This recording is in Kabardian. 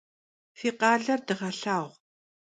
Fi khaler dığelhağu.